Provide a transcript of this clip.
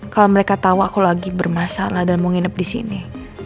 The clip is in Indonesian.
kalau mereka tawa kalau lagi bermasalah dan mau nginep di sini